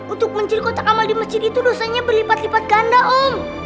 untuk mencil kotak amal di masjid itu dosanya berlipat lipat ganda om